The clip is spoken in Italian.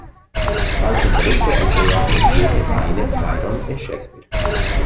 Ha anche tradotto alcune opere di Goethe, Heine, Byron e Shakespeare.